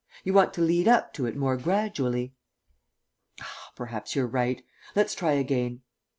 You want to lead up to it more gradually." "Ah, perhaps you're right. Let's try again."